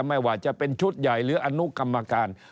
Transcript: ไม่ว่าจะเป็นชุดใหญ่หรืออนุกรรมการ